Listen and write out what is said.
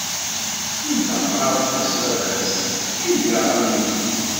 Yenṭeq ɣer ɣur-s baba-s: Qim-d a mmi.